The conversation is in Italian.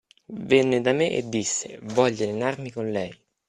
Venne da me e disse: "Voglio allenarmi con lei".